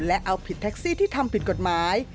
และเอาผิดแท็กซี่ที่ทำผิดกฎหมาย